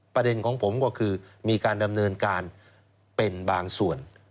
ประเด็นของผมก็คือมีการดำเนินการเป็นบางส่วน